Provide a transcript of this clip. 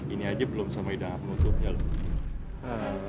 ini aja belum sama idangan penutupnya loh